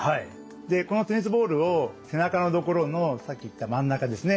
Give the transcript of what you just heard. このテニスボールを背中の所のさっき言った真ん中ですね